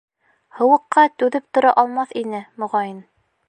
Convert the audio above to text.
Һыуыҡҡа түҙеп тора алмаҫ ине, моғайын.